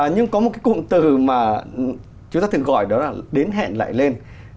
nhưng có một cái cụm từ mà chúng ta thường gọi đó là đến hẹn lại lên